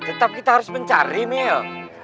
tetap kita harus mencari mil